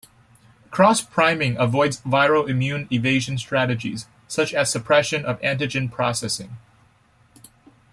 Cross-priming avoids viral immune evasion strategies, such as suppression of antigen processing.